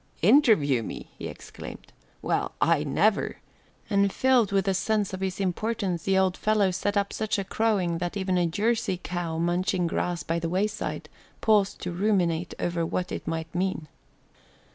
"Interview me?" he exclaimed. "Well, I never!" and filled with a sense of his importance the old fellow set up such a crowing that even a Jersey cow, munching grass by the wayside, paused to ruminate over what it might mean.